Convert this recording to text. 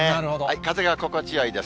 風が心地よいです。